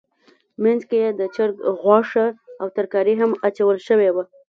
منځ کې یې د چرګ غوښه او ترکاري هم اچول شوې وه.